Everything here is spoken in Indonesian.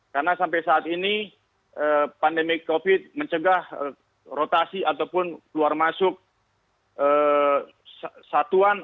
karena sampai saat ini pandemi covid sembilan belas mencegah rotasi ataupun luar masuk satuan